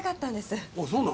あそうなの？